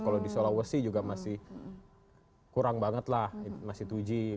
kalau di sulawesi juga masih kurang banget lah masih dua g